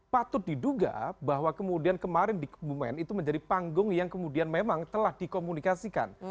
patut diduga bahwa kemudian kemarin di kebumen itu menjadi panggung yang kemudian memang telah dikomunikasikan